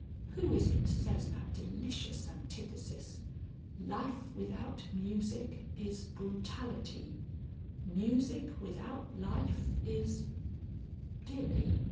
"Who is it says that delicious antithesis: Life without music is brutality; music without life is Dear me!